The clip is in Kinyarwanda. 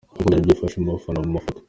Uko byari byifashe mu bafana mu mafoto:.